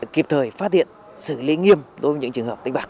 kịp thời phát hiện xử lý nghiêm đối với những trường hợp đánh bạc